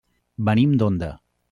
Venim d'Onda.